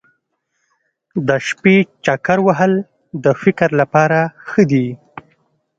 د شپې چکر وهل د فکر لپاره ښه دي.